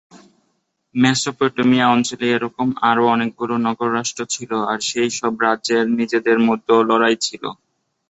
Mesopotamia অঞ্চলে এ রকম আরো অনেকগুলো নগর রাষ্ট্র ছিল, আর সেই সব রাজ্যের নিজেদের মধ্যেও লড়াই ছিল।